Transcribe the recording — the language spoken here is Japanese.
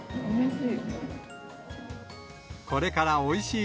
おいしい。